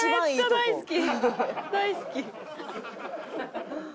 大好き。